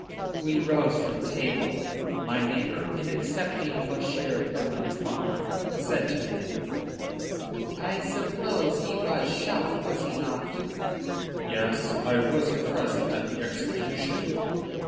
We rose from table. My neighbor in accepting Monsieur Hermann's arm, said to him "I suppose he was shot, was he not?" "Yes. I was present at the execution."